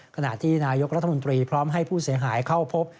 ขณะที่นายกรัฐมนตรีพร้อมให้ผู้เสียหายเข้าพบ